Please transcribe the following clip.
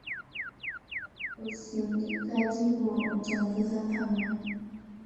Usindikaji huo utaongeza thamani